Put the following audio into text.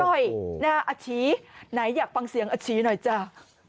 อาชีไหนอยากฟังเสียงอาชีหน่อยจ้า